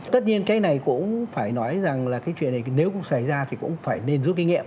tất nhiên cái này cũng phải nói rằng là cái chuyện này nếu xảy ra thì cũng phải nên rút kinh nghiệm